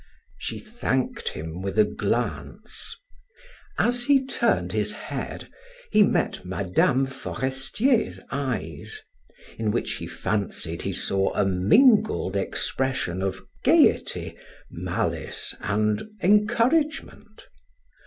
She thanked him with a glance. As he turned his head, he met Mme. Forestier's eyes, in which he fancied he saw a mingled expression of gaiety, malice, and encouragement.